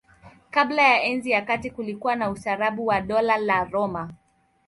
Kabla ya Enzi ya Kati kulikuwa na ustaarabu wa Dola la Roma.